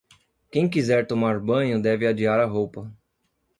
Quem quiser tomar banho deve adiar a roupa.